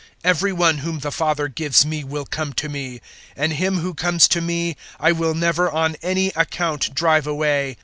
006:037 Every one whom the Father gives me will come to me, and him who comes to me I will never on any account drive away.